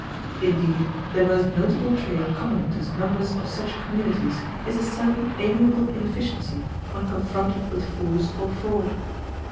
Indeed, the most notable trait common to members of such communities is a certain amiable inefficiency when confronted with force or fraud.